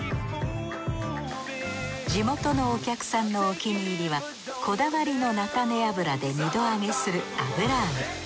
地元のお客さんのお気に入りはこだわりの菜種油で二度揚げする油揚げ。